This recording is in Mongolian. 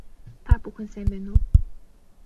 Та бүхэн сайн байна уу